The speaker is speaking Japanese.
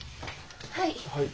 はい。